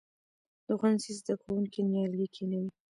د ښوونځي زده کوونکي نیالګي کینوي؟